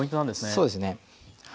そうですね。